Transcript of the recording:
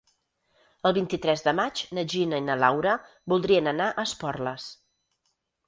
El vint-i-tres de maig na Gina i na Laura voldrien anar a Esporles.